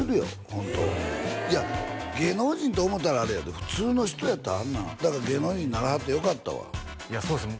ホントいや芸能人と思うたらあれやで普通の人やったらあんなんだから芸能人にならはってよかったわいやそうですね